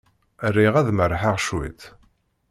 Riɣ ad merrḥeɣ cwiṭ.